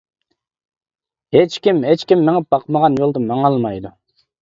ھېچكىم، ھېچكىم مېڭىپ باقمىغان يولدا ماڭالمايدۇ.